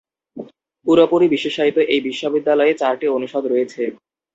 পুরোপুরি বিশেষায়িত এই বিশ্ববিদ্যালয়ে চারটি অনুষদ রয়েছে।